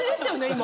今。